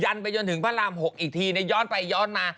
ไปจนถึงพระราม๖อีกทีย้อนไปย้อนมา